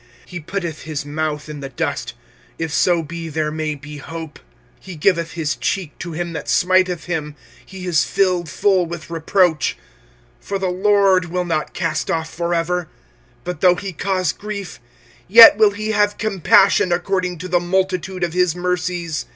25:003:029 He putteth his mouth in the dust; if so be there may be hope. 25:003:030 He giveth his cheek to him that smiteth him: he is filled full with reproach. 25:003:031 For the LORD will not cast off for ever: 25:003:032 But though he cause grief, yet will he have compassion according to the multitude of his mercies.